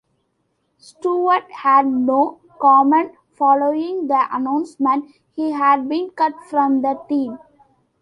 Stewart had no comment following the announcement he had been cut from the team.